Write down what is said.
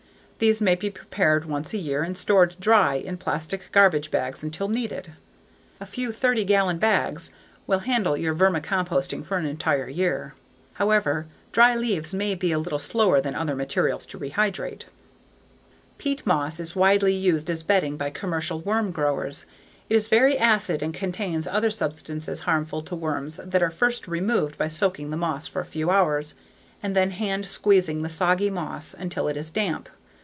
These may be prepared once a year and stored dry in plastic garbage bags until needed. A few 30 gallon bags will handle your vermicomposting for an entire year. However, dry leaves may be a little slower than other materials to rehydrate. Peat moss is widely used as bedding by commercial worm growers. It is very acid and contains other substances harmful to worms that are first removed by soaking the moss for a few hours and then hand squeezing the soggy moss until it is damp.